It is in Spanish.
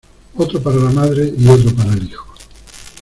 otro para la madre y otro para el hijo.